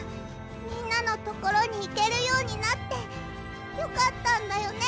みんなのところにいけるようになってよかったんだよね？